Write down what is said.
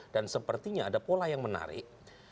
sepertinya ada pola yang menarik